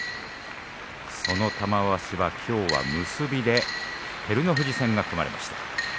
その玉鷲、きょうは結びで照ノ富士戦が組まれました。